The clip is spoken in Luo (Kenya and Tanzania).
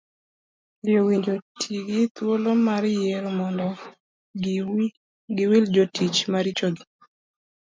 Ji owinjo ti gi thuolo mar yiero mondo giwil jotich maricho gi